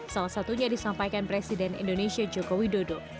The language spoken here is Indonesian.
salah satunya disampaikan presiden indonesia joko widodo